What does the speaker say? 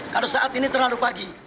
kalau saat ini terlalu pagi